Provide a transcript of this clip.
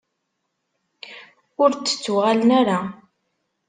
Ur d-ttuɣalen ara.